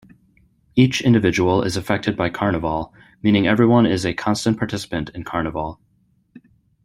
Each individual is affected by carnival, meaning everyone is a constant participant in carnival.